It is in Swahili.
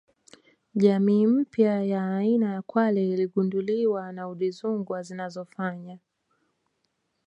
Jamii mpya ya aina ya kwale iligunduliwa wa Udzungwa zinazofanya